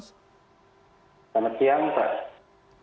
selamat siang pak